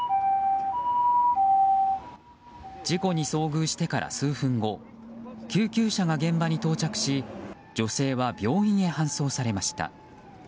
事故に遭遇してから数分後救急車が現場に到着し女性は病院へ搬送されました。